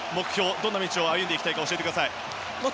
どんな道を歩んでいきたいか教えてください。